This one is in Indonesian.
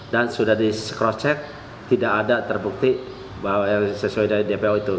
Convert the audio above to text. dan sudah di crosscheck tidak ada terbukti bahwa sesuai dengan dpo itu